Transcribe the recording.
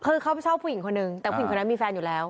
คือเขาชอบผู้หญิงคนนึงแต่ผู้หญิงคนนั้นมีแฟนอยู่แล้ว